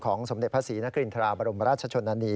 ของสมเด็จพระศรีนักกลิ่นทราบรมราชชนนานี